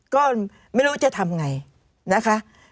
ก็ไม่รู้จะทำอย่างไร